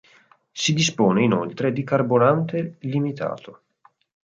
Si dispone inoltre di carburante limitato.